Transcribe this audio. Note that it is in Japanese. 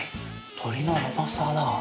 鶏の甘さだ！